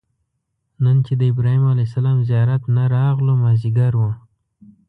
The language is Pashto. نن چې د ابراهیم علیه السلام زیارت نه راغلو مازیګر و.